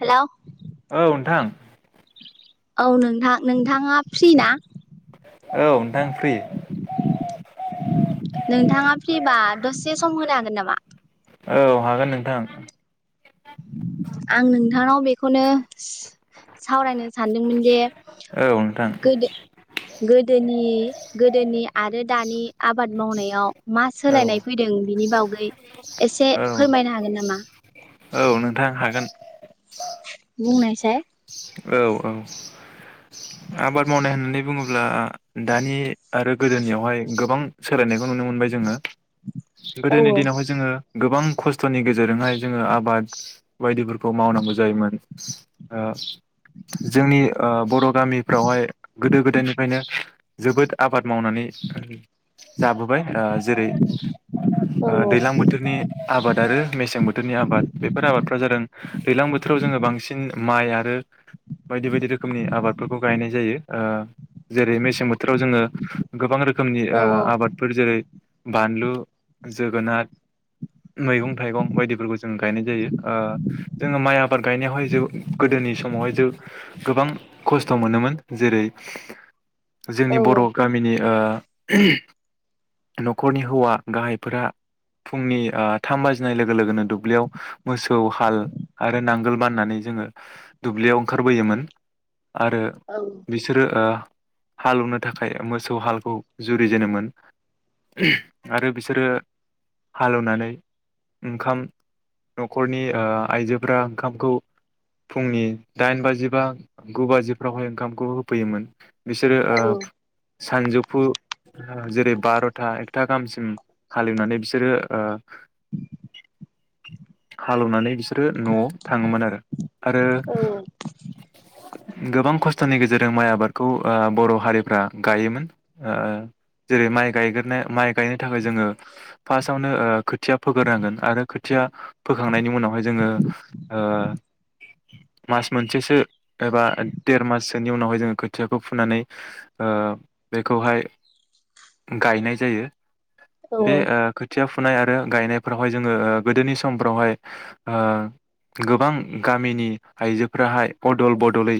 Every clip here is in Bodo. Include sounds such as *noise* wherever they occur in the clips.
हेलौ औ नोंथां औ नोंथां नोंथाङा फ्रि ना औ नोंथां फ्रि नोंथाङा फ्रिबा दसे सम होनो हागोन नामा। औ हागोन नोंथां आं नोंथांनाव बेखौनो सो सावरायनो सानदोंमोन दे औ नोंथां गोदो-गोदोनि-गोदोनि आरो दानि आबाद मावनायाव मा औ सोलायनाय फैदों बिनि बावगै एसे औ फोरमायनो हागोन नामा। औ नोंथां हागोन बुंनायसाय औ औ आबाद मावनाय होननानै बुङोब्ला दानि आरो गोदोनियावहाय गोबां सोलायनायखौ नुनो मोनबाय जोंङो। औ गोदोनि दिनावहाय जोंङो गोबां खस्थ'नि गेजेरजोंहाय जोंङो आबाद बायदिफोरखौ मावनांगौ जायोमोन ओ जोंनि ओ बर' गामिफ्रावहाय गोदो-गोदायनिफ्रायनो जोबोद आबाद मावनानै जाबोबाय ओ जेरै औ ओ दैलां बोथोरनि आबाद आरो मेसें बोथोरनि आबाद बेफोर आबादफ्रा जादों दैलां बोथोराव जोंङो बांसिन माइ आरो बायदि-बायदि रोखोमनि आबादफोरखौ गायनाय जायो ओ जेरै मेसें बोथोराव जोंङो गोबां रो खोमनि ओ आबादफोर जेरै बानलु जोगोनार मैगं थाइगं बायदिफोरखौ जों गायनाय जायो ओ जोंङो माइ आबाद गायनायावहाय जो गोदोनि समावहाय जो गोबां खस्थ' मोनोमोन जेरै औ जोंनि बर'गामिनि ओ ओम न'खरनि हौवा गाहायफोरा फुंनि ओ थाम बाजिनाय लोगो लोगोनो दुब्लियाव मोसौ हाल आरो नांगोल बाननानै जोङो दुब्लियाव ओंखारबोयोमोन। आरो औ बिसोरो ओ हालौवनो थाखाय मोसौ हालखौ जुरिजेनोमोन आरो बिसोरो हालेवनानै ओंखाम न'खरनि ओ आइजोफ्रा ओंखामखौ फुंनि दाइन बाजि बा गु बाजिफ्रावहाय ओंखामखौ होफैयोमोन। बिसोरो औ ओब सानजौफु ओ जेरै बार'था एथ *unintelligible* गामसिम हालेवनानै बिसोरो ओ *inaudible* हालेवनानै बिसोरो न'आव थाङोमोन आरो आरो औ गोबां खस्थ'नि गेजेरजों माइ आबादखौ ओ बर' हारिफ्रा गायोमोन ओ ओ जेरै माइ गायग्रोनाय माइ गायनो थाखाय जोङो फार्स्टआवनो ओ खोथिया फोगोरोनांगोन आरो खोथिया फोखांनायनि उनावहाय जोङो ओ मास मोनसेसो एबा देर माससोनि उनावहाय जोङो खोथियाखौ फुनानै ओ बेखौहाय गायनाय जायो। औ बे ओ खोथियाब खुनाय आरो गायनायफोरावहाय जोङो ओ गोदोनिस समफ्रावहाय ओ गोबां गामिनि आइजोफ्राहाय अदल बदलै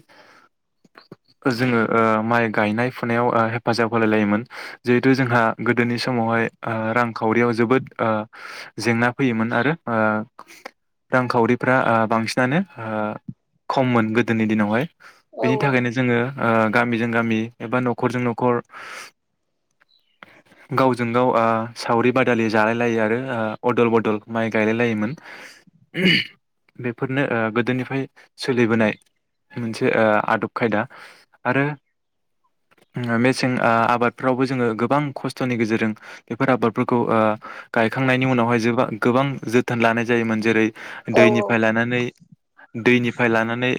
जोङो ओ माइ गायनाय फुनायाव ओ हेफाजाब होलाय लायोमोन जिहेथु जोंहा गोदोनि समावहाय ओ रांखावरियाव जोबोद ओ जेंना फैयोमोन आरो ओ रांखावरिफ्रा ओ बांसिनानो ओ खममोन गोदोनि दिनावहाय औ बेनि थाखायनो जोङो ओ गामिजों गामि एबा न'खरजों न'खर गावजों गाव ओ सावरि बादालि जालाय लायो आरो अदल बदल माइ गायलाय लायोमोन बेफोरनो ओ गोदोनिफ्राय सोलिबोनाय मोनसे ओ आदब खायदा आरो मेसें ओ आबादफ्रावबो जोङो गोबां खस्थ'नि गेजेरजों बेफोर आबादफोरखौ ओ गायखांनायनि उनावहाय जोबा गोबां जोथोन लानाय जायोमोन जेरै दैनिफ्राय लानानै दैनिफ्राय लानानै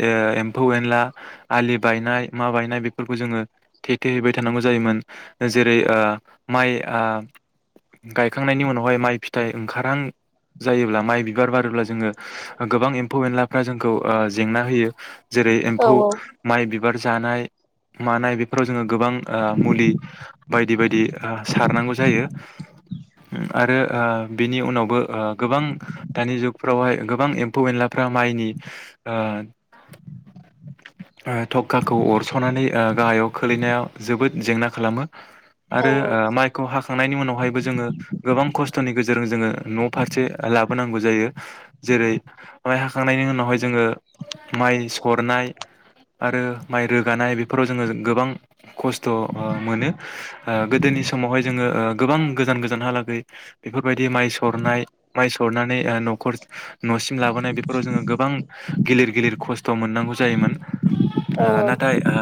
ओ एम्फौ एनला आलि बायनाय मा बायनाय बेफोरखौ जोङो थेथेहैबाय थानांगौ जायोमोन जेरै ओ माइ ओ गायखांनायनि उनावहाय माइ फिथाइ ओंखारहां जायोब्ला माइ बिबार बारोब्ला जोङो गोबां एम्फौ एनलाफ्रा जों खौ ओ जेंना होयो जेरै एम्फौ माइ बिब बिबार जानाय मानाय बेफोराव जोङो गोबां ओ मुलि बायदि बायदि सारनांगौ जायो उम आरो बेनि उनावबो ओ गोबां दानि जुगफ्रावहाय गोबां एम्फौ एनलाफ्रा माइनि ओ थखाखौ अरस'नानै ओ गाहायाव खोलैनायाव जोबोद जेंना खालामो। आरो ओ माइखौ हाख थांनायनि उनावहायबो जोङो गोबां खस्थ'नि गेजेरजों जोङो न' फार से लाबोनांगौ जायो जेरै माइ हाखांनायनि उनावहाय जोङो माइ सरनाय आरो माइ रोगानाय बेफोराव जोङो गोबां खस्थ' ओ मोनो ओ गोदोनि समावहाय जोङो ओ गोबां गोजान गोजानहालागै बेफोरबायदि माइ सरनाय माइ सरनानै ओ न'खर न'सिम लाबोनाय बेफोराव जोङो गोबां गिलिर गिलिर खस्थ' मोननांगौ जायोमोन। ओ औ नाथाय ओ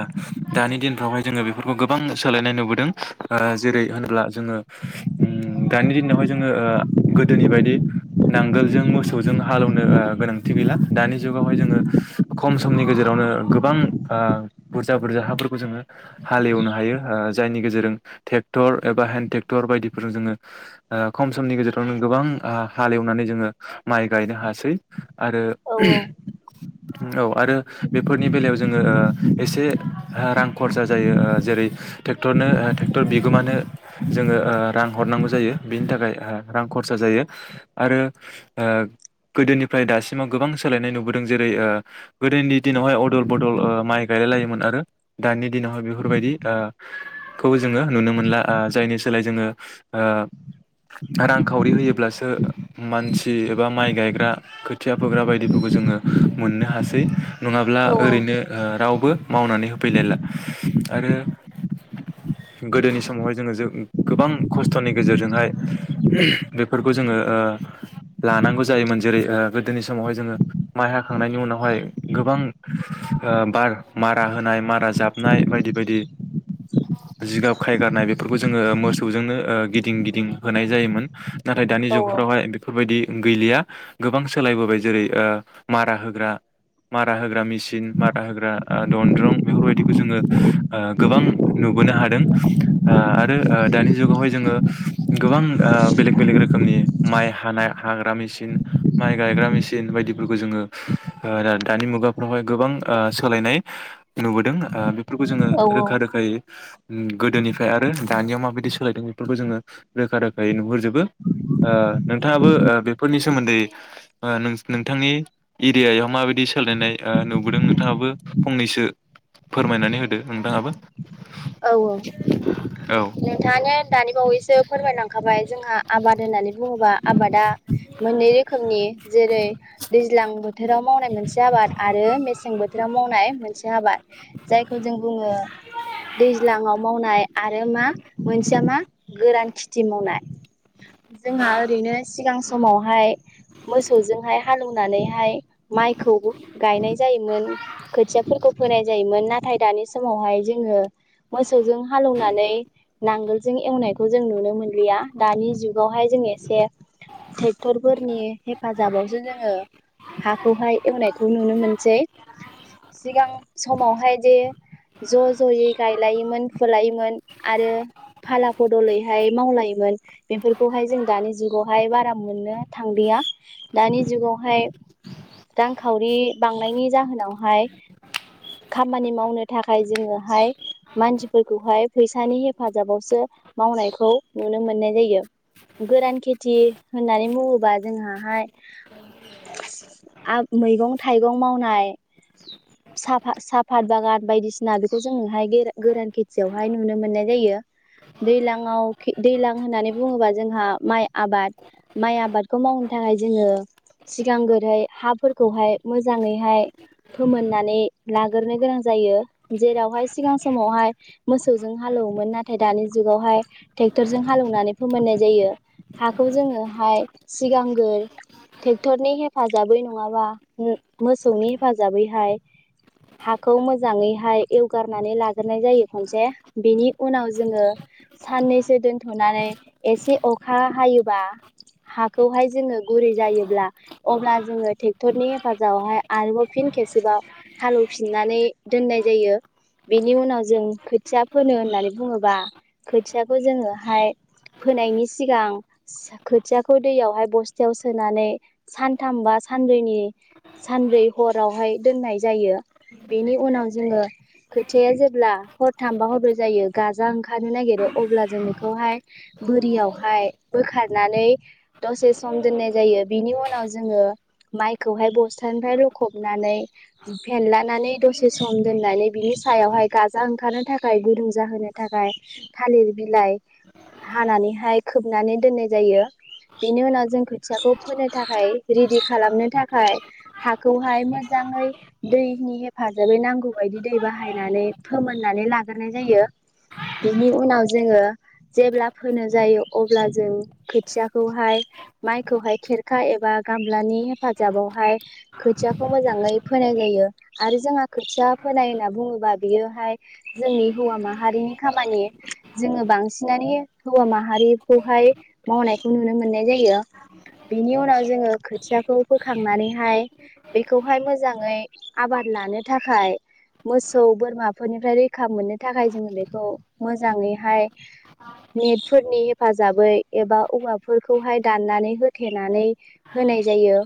दानि दिनफ्रावहाय जोङो बेफोरखौ गोबां सोलायनाय नुबोदों ओ जेरै होनोब्ला जोङो उम दानि दिनावहाय जोङो ओ गोदोनि बायदि नांगोलजों मोसौजों हालेवनो ओ गोनांथि गैला दानि जुगावहाय जोङो खम समनि गेजेरावनो गोबां ओ बुरजा बुरजा हाफोरखौ जोङो हालेवनो हायो ओ जायनि गेजेरजों ट्रेक्टर एबा हेन्दड ट्रेक्टर बायदिफोरजों जोङो ओ खम समनि गेजेरावनो गोबां ओ हालेवनानै जोङो माइ गायनो हासै आरो औ आरो बेफोरनि बेलायाव जोङो ओ एसे रां खरसा जायो ओ जेरै ट्रेक्टरनो ट्रेक्टर बिगोमानो जोङो रां हरनांगौ जायो बेनि थाखाय ओ रां खरसा जायो। आरो ओ गोदोनिफ्राय दासिमाव गोबां सोलायनाय नुबोदों जेरै ओ गोदोनि दिनावहाय अदल बदल ओ माइ गायलाय लायोमोन आरो दानि दिनावहाय बेफोर ओ बायदिखौ जोङो नुनो मोनला ओ जायनि सोलाय जोङो ओ रांखावरि होयोब्लासो मानसि एबा माइ गायग्रा खोथिया फोग्रा बायदिफोरखौ जोङो मोननो हासै नङाब्ला ओरैनो ओ रावबो मावनानै होफैलायला आरो गोदोनि समावहाय जोङो गोबां खस्थ'नि गेजेरजोंहाय बेफोरखौ जोङो ओ लानांगौ जायोमोन जेरै गोदोनि समावहाय जोङो माइ हाखांनायनि उनावहाय गोबां ओ बार मारा होनाय मारा जाबनाय बायदि बायदि जिगाब खायगारनाय बेफोरखौ जोङो मोसौजोंनो ओ गिदिं गिदिं होनाय जायोमोन। नाथाय दानि औ जुगफ्रावहाय बेफोरबायदि गैलिया गोबां सोलायबोबाय जेरै ओ माराहोग्रा माराहोग्रामिसिं माराहोग्रा दनद्रं बेफोरबायदिखौ जोङो ओ गोबां नुबोनो हादों ओ आरो दानि जुगावहाय जोङो ओ गोबां बेलेग बेलेग रोखोमनि माइ हानाय हाग्रा मेसिन माइ गायग्रा मेसिन बायदिफोरखौ जोङो ओ दानि मुगाफ्रावहाय गोबां ओ सोलायनाय नुबोदों। ओ फोरफोरखौ जोङो औ औ रोखा रोखायै गोदोनिफ्राय आरो दानिया माबायदि सोलायदों बेफोरखौ जोङो रोखा रोखायै नुहुरजोबो नोंथाङाबो ओ बेफोरनि सोमोन्दै ओ नों-नोंथांनि एरियायाव माबायदि सोलायनाय ओ नुबोदों नोंथाङाबो फंनैसो फोरमायनानै होदो नोंथाङाबो औ औ औ नोंथाङानो दानि बावैसो फोरमायलांखाबाय जोंहा आबाद होननानै बुं बुङोबा आबादा मोननै रोखोमनि जेरै दैज्लां बोथोराव मावनाय मोनसे आबाद आरो मेसें बोथोराव मावनाय मोनसे आबाद जायखौ जों बुङो दैज्लांआव मावनाय आरो मा मोनसेया मा गोरान खेथि मावनाय जोंहा ओरैनो सिगां समावहाय मोसौजोंहाय हालौव होनानैहाय माइखौ गायनाय जायोमोन खोथियाफोरखौ फोनाय जायोमोन नाथाय दानि समावहाय जोङो मोसौजों हालौवनानै नांगोल जों एवनायखौ जों नुनो मोनलिया दानि जु गावहाय जों एसे ट्रेक्टर फोरनि हेफाजाबावसो जोङो हाखौहाय एवनायखौ नुनो मोनसै सिगां समावहाय जे ज' ज'यै गायलायोमोन फुोलायोमोन आरो फाला बदलैहाय मावलायोमोन बेफोरखौहाय जों दानि जुगावहाय बारा मोननो थांलिया दानि जुगावहाय रांखावरि बांनायनि जाहोनावहाय खामानि मावनो थाखाय जोङोहाय मानसिफोरखौहाय फैसानि हेफाजाबावसो मावनायखौ नुनो मोननाय जायो गोरान खेथि होननानै बुङोबा जोंहाहाय आ मैगं-थाइगं मावनाय साफा साफत बागान बायदिसिना बेखौ जोंनोहाय गोरान खेथियावहाय नुनो मोननाय जायो। दैज्लांआव दैज्लां होननानै बुङोबा जोंहा माइ आबाद माइ आबादखौ मावनो थाखाय जोङो सिगांग्रहै हाफोरखौहाय मोजाङैहाय फोमोननानै लागोरो गोनां जायो जेरावहाय सिगां समावहाय मोसौजों हालेवोमोन नाथाय दानि जुगावहाय ट्रेक्टरजों हालेवनानै फोमोननाय जायो। हाखौ जोङोहाय सिगांग्र ट्रेक्टरनि हेफाजाबै नङाबा मोसौनि हेफाजाबैहाय हाखौ मोजाङैहाय एवगार नानै लाग्रोनाय जायो खनसे बिनि उनाव जोङो साननैसो दोनथ'नानै एसे अखा हायोबा हाखौहाय जोङो गुरै जायोब्ला अब्ला जोङो ट्रेक्टरनि हेफाजाबावहाय आरोबाव फिन खेबसेबाव हालेवफिननानै दोननाय जायो। बेनि उनाव जों खोथिया फोनो होननानै बुङोबा खोथियाखौ जोङोहाय फोनायनि सिगां खोथियाखौ दैयावहाय बस्थायाव सोनानै सानथाम बा सानब्रैनि सानब्रै हरावहाय दोननाय जायो बेनि उनाव जोङो खोथिाया जेब्ला हरथामबा हरब्रै जायो गाजा ओंखारनो नागिरो अब्ला जों बेखौहाय बोरियावहाय बोखारनानै दसे सम दोननाय जायो बिनि उनाव जोङो माइखौहाय बस्थानिफ्राय लखबनानै फेनलानानै दसे सम दोननानै बिनि सायावहाय गाजा ओं दै बाहायनानै फोमोननानै लाग्रोनाय जायो बिनि उनाव जोङो जेब्ला फोनो जायो अब्ला जों खोथियाखौहाय माइखौहाय खेरखा एबा गामलानि हेफाजाबावहाय खोथियाखौ मोजाङै फोनाय जायो आरो जोंहा खोथिया फोनाय होनना बुङोबा बियोहाय जोंनि हौवा माहारिनि खामानि जोङो बांसिनानो हौवा माहारिखौहाय मावनायखौ नुनो मोननाय जायो। बिनि उनाव जोङो खोथियाखौ फोखांनानैहाय बेखौहाय मोजाङै आबाद लानो थाखाय मोसौ बोरमाफोरनिफ्राय रैखा मोननो थाखाय जोङो बेखौ मोजाङैहाय नेटफोरनि हेफाजाबै एबा औवाफोरखौहाय दाननानै होथेनानै होनाय जायो।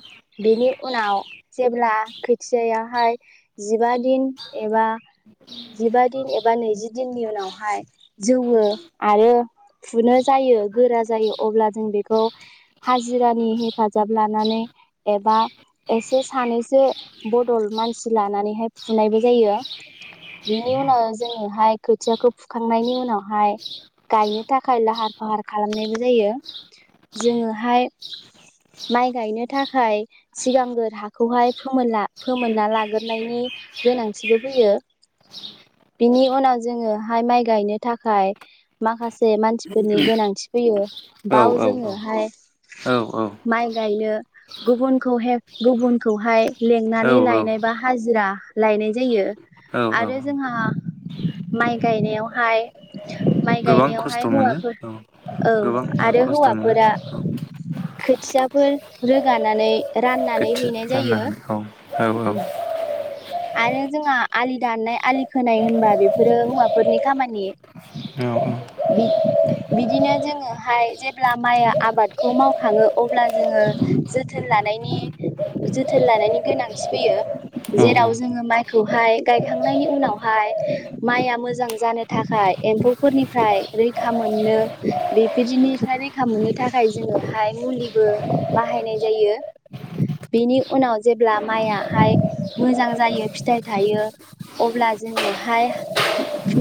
बेनि उनाव जेब्ला खोथियाहाय जिबा दिन एबा जिबा दिन एबा नैजि दिननि उनावहाय जौवो आरो फुनो जायो गोरा जायो अब्ला जों बेखौ हाजिरानि हेफाजाब लानानै एबा एसे सानैसो बदल मानसि लानानैहाय फुनायबो जायो। बिनि उनाव जोङोहाय खोथियाखौ फुखांनायनि उनावहाय गायनो थाखाय लाहार फाहार खालामनायबो जायो। जोङोहाय माइ गायनो थाखाय सिगांगोर हाखौहाय फोमोला फोमोनना लाग्रोनायनि गोनांथिबो फैयो। बिनि उनाव जोङोहाय माइ गायनो थाखाय माखासे मानसिफोरनि गोनांथि फैयो बाव जोङोहाय औ औ माइ गायनो गुबुनखौहेब गुबुनखौहाय लिंनानै औ लायनाय बा हाजिरा लायनाय जायो औ औ आरो जोंहा माइ गायनायावहाय माइ गोबां गायनायावहाय खस्थ' मोनो हौवाफोर औ औ गोबां आरो खस्थ' मोनो हौवाफोरा औ। खोथियाफोर रोगानानै राननानै खोथि हैनाय रानना जायो होनाय औ, औ औ। आरो जोंहा आलि दाननाय आलि खोनाय होनबा बेफोरो हौवाफोरनि खामानि। औ औ। बि-बिदिनो जोङोहाय जेब्ला माइआ आबादखौ मावखाङो अब्ला जोङो जोथोन लानायनि‌ जोथोन लानायनि गोनांथि फैयो। औ जेराव जोङो माइखौहाय गायखांनायनि उनावहाय माइआ मोजां जानो थाखाय एम्फौफोरनिफ्राय रैखा मोननो बेफोरनिफ्राय रैखा मोननो थाखाय जोंङोहाय मुलिबो बाहायनाय जायो। बेनि उनाव जेब्ला माइयाहाय मोजां जायो फिथाइ थायो अब्ला जोङोहाय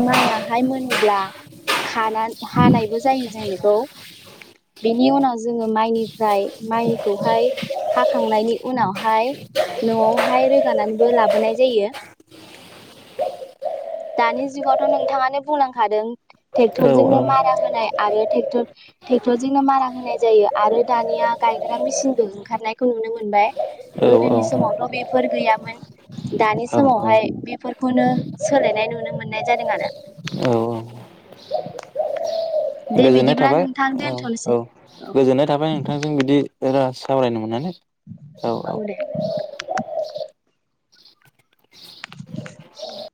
माइयाहाय मोनोब्ला खानाय हानाय बो जायो बेखौ। बेनि उनाव जोंङो माइनिफ्राय माइखौहाय हांखांनायनि उनावहाय न'आवहाय रोगानाबो‌ लाबो नाय जायो। दानि जुगावथ' नोंथाङानो बुंलांखादों औ ट्रेक्टरजोंनो मारा होनाय आरोर ट्रेक्टर टेक्टरजोंनो मारा होनाय जायो आरो दानिया गायग्रा मेसिनबो ओंखारनायखौ नुनो मोनबाय। गोदोनि औ समावथ' बेफोर गैयामोन दानि समावहाय औ बेफोरखौनो सोलायनाय नुनो मोननाय जादों आरो। औ औ दे गोजोननाय बिदिब्ला थाबाय नोंथां औ दोन औ थ'नोसै। गोजोननाय थाबाय नोंथांजों बिदि बिराद सावरायनो मोननानै। औ औ। *inaudible*